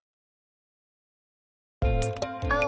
あお。